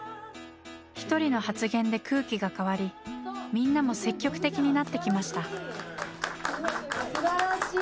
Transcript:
一人の発言で空気が変わりみんなも積極的になってきました。